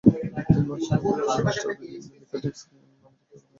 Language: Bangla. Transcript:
তিনি মাস্টারবাড়ির মিতা টেক্সটাইল নামের একটি কারখানার বিদ্যুৎমিস্ত্রি হিসেবে কাজ করতেন।